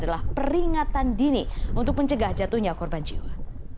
adalah peringatan dini untuk mencegah jatuhnya korban jiwa